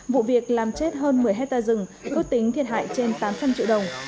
vụ việc làm chết hơn một mươi hectare rừng ước tính thiệt hại trên tám trăm linh triệu đồng